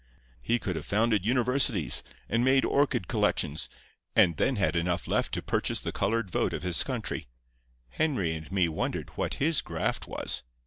He could have founded universities, and made orchid collections, and then had enough left to purchase the colored vote of his country. Henry and me wondered what his graft was.